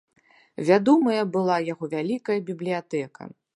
Вядомая была яго вялікая бібліятэка.